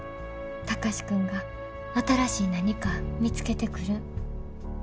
貴司君が新しい何か見つけてくるん楽しみや。